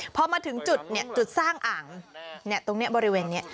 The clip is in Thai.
พอมาถึงจุดเนี่ยจุดสร้างอ่างตรงนี้บริเวณนี่